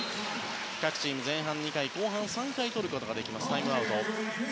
各チーム前半２回後半３回とることができるタイムアウトです。